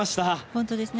本当ですね。